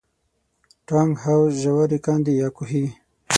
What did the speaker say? ټانک، حوض، ژورې کندې یا کوهي.